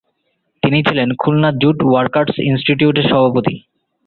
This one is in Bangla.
তিনি ছিলেন খুলনা জুট ওয়ার্কার্স ইনস্টিটিউটের সভাপতি।